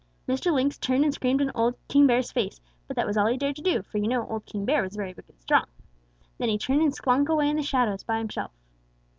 "Mr. Lynx turned and screamed in old King Bear's face, but that was all he dared do, for you know old King Bear was very big and strong. Then he turned and slunk away in the shadows by himself.